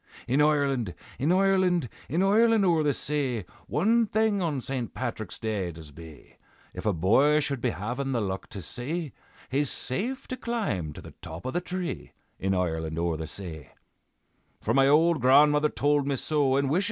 In Ireland, in Ireland, In Ireland o'er the say, One thing on St. Patrick's Day does be, If a boy should be havin' the luck to see, He's safe to climb to the top of the tree, In Ireland o'er the say. "For my ould grandmother told me so, And wisha!